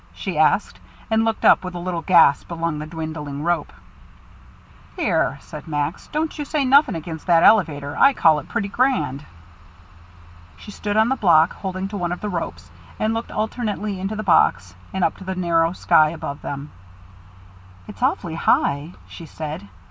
she asked; and she looked up, with a little gasp, along the dwindling rope. "Here," said Max, "don't you say nothing against that elevator. I call it pretty grand." She stood on the block, holding to one of the ropes, and looking alternately into the box and up to the narrow sky above them. "It's awfully high," she said.